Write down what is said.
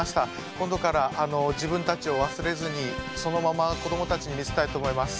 今度から自分たちを忘れずにそのまま子どもたちに見せたいと思います。